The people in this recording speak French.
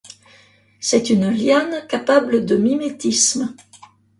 C'est une liane capable de mimétisme.